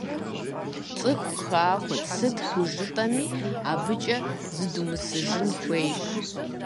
ЦӀыху хахуэт, сыт хужытӀэми, абыкӀэ зыдумысыжын хуейщ.